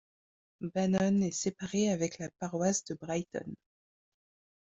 Bannon est séparé avec la paroisse de Brighton.